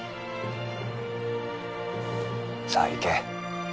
さあ行け。